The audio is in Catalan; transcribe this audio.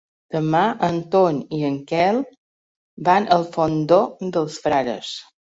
Demà en Ton i en Quel van al Fondó dels Frares.